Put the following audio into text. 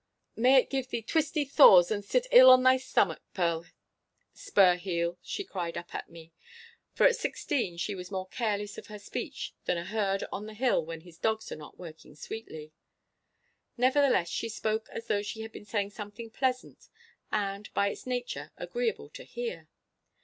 'May it give thee twisty thraws and sit ill on thy stomach, Spurheel!' she cried up at me. For at sixteen she was more careless of her speech than a herd on the hill when his dogs are not working sweetly. Nevertheless she spoke as though she had been saying something pleasant and, by its nature, agreeable to hear.